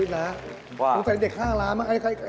เฮ้ยมันบ้าหรือเปล่าวะเนี่ย